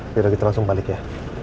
biar kita langsung balik ya